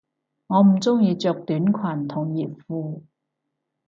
我唔鍾意着短裙同熱褲